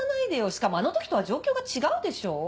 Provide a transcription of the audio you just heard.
しかもあの時とは状況が違うでしょ？